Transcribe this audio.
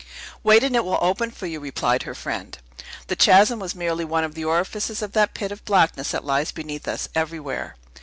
"Wait, and it will open for you," replied her friend. "The chasm was merely one of the orifices of that pit of blackness that lies beneath us, everywhere.